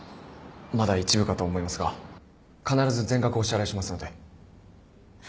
まだ一部かと思いますが必ず全額お支払いしますので。